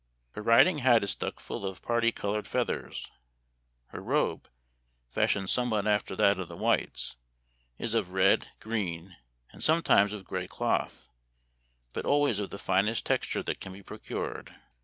Her riding hat is stuck full of party colored feathers ; her robe, fashioned somewhat after that of the whites, is of red, green, and sometimes of gray cloth, but always of the finest texture that can be procured.